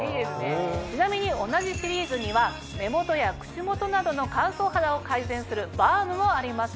ちなみに同じシリーズには目元や口元などの乾燥肌を改善するバームもあります。